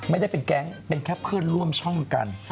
ไม่ได้เป็นแก๊งเป็นแค่เพื่อนร่วมช่องกัน